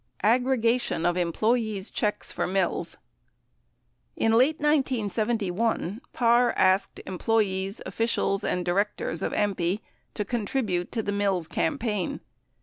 AGGREGATION OF EMPLOYEES 5 CHECKS FOR MILLS In late 1971 Parr asked employees, officials, and directors of AMPI to contribute to Mills' campaign.